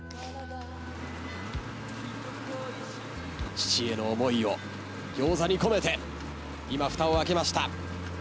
父への思いを餃子に込めて今ふたを開けました。